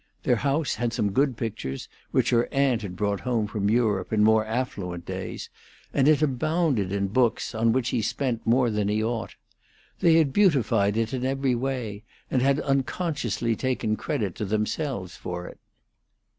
Their house had some good pictures, which her aunt had brought home from Europe in more affluent days, and it abounded in books on which he spent more than he ought. They had beautified it in every way, and had unconsciously taken credit to themselves for it.